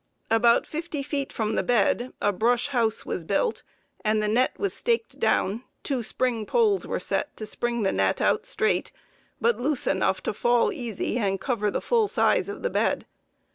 About fifty feet from the bed a brush house was built and the net was staked down, two spring poles were set to spring the net out straight, but loose enough to fall easy and cover the full size of the bed.